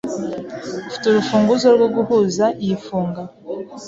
Ufite urufunguzo rwo guhuza iyi funga?